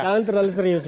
kalian terlalu serius